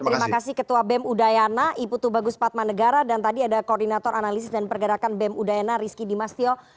terima kasih ketua bem udayana ibu tubagus padmanegara dan tadi ada koordinator analisis dan pergerakan bem udayana rizky dimastyo